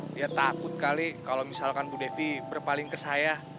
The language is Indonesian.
dia takut kali kalau misalkan bu devi berpaling ke saya